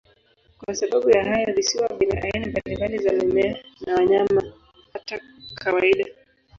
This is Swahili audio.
Kwa sababu ya hayo, visiwa vina aina mbalimbali za mimea na wanyama, hata kawaida.